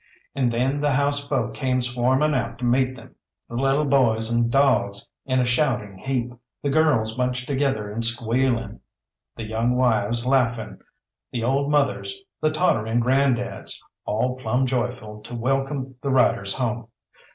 And then the house folk came swarming out to meet them, the little boys and dogs in a shouting heap, the girls bunched together and squealing, the young wives laughing, the old mothers, the tottering granddads, all plumb joyful to welcome the riders home.